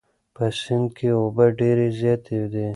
په سیند کې اوبه ډېرې زیاتې دي.